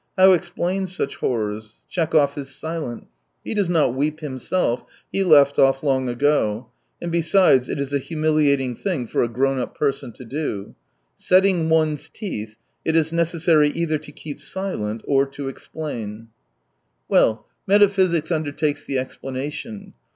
How explain such horrors ? Tchekhov is silent. He does not weep himself — he left of? long ago, and besides it is a humiliating thing for a grown up person to do. Setting one's teeth, it is necessary either to keep silent or — to explain. 200 Well, metaphysics undertakes the explanation.